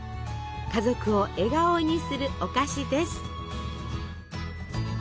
家族を笑顔にするお菓子です。